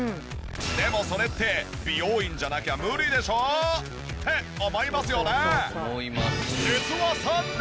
でもそれって美容院じゃなきゃ無理でしょ？って思いますよね。